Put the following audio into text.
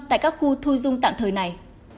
tại các khu thu dung tạm thời này